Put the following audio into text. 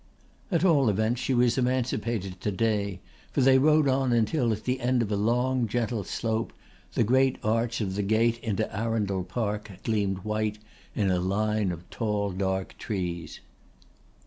At all events she was emancipated to day, for they rode on until at the end of a long gentle slope the great arch of the gate into Arundel Park gleamed white in a line of tall dark trees.